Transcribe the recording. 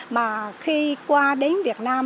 mà khi qua đến việt nam